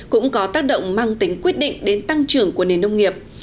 cũng có tác động mang tính quyết định đến tăng trưởng của nền nông nghiệp